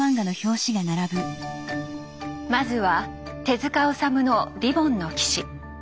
まずは手治虫の「リボンの騎士」。